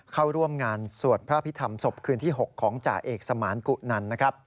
เข้าร่วมงานสวดพระอภิษฐรรมศพคืนที่๖ของจาเอกสมานกุนั้น